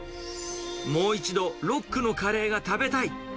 もう一度ＲＯＣＫのカレーが食べたい。